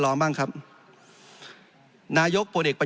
จริงโครงการนี้มันเป็นภาพสะท้อนของรัฐบาลชุดนี้ได้เลยนะครับ